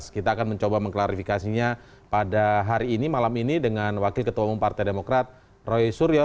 kita akan mencoba mengklarifikasinya pada hari ini malam ini dengan wakil ketua umum partai demokrat roy suryo